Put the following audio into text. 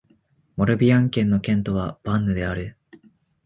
モルビアン県の県都はヴァンヌである